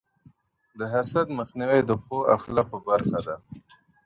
د حسد مخنیوی د ښو اخلاقو برخه ده.